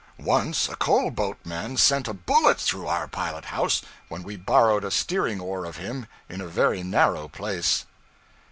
Once a coalboatman sent a bullet through our pilot house, when we borrowed a steering oar of him in a very narrow place.